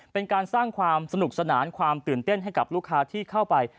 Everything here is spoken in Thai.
เป็นการสร้างความสนุกสนานความตื่นเต้นให้กับลูกค้าที่เข้าไป